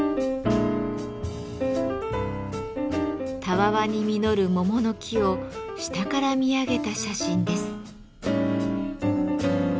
たわわに実る桃の木を下から見上げた写真です。